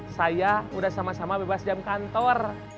saya udah sama sama bebas jam kantor